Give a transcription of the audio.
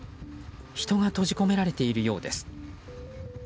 人が閉じ込められているようです。